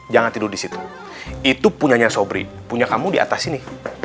jangan tidur di situ itu punyanya sobri punya kamu di atas sini